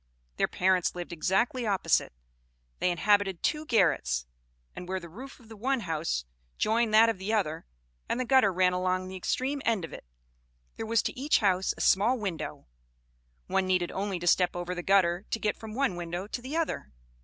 Their parents lived exactly opposite. They inhabited two garrets; and where the roof of the one house joined that of the other, and the gutter ran along the extreme end of it, there was to each house a small window: one needed only to step over the gutter to get from one window to the other.